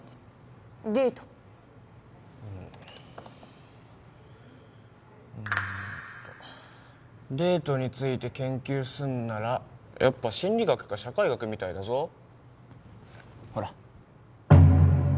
デデートうんうんとデートについて研究すんならやっぱ心理学か社会学みたいだぞほら